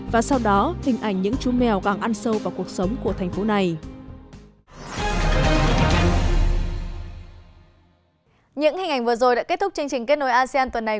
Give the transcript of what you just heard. và sau đó hình ảnh những chú mèo càng ăn sâu vào cuộc sống của thành phố này